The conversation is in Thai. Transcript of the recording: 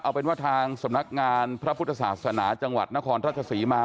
เอาเป็นว่าทางสำนักงานพระพุทธศาสนาจังหวัดนครราชศรีมา